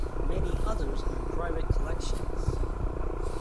Many others are in private collections.